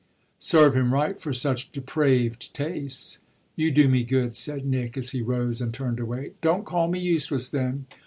"Serve him right for such depraved tastes." "You do me good," said Nick as he rose and turned away. "Don't call me useless then."